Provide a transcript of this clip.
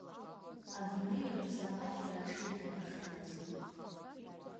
Адунеиажә заҟаџьара аҽеиҭанакхьоузеи!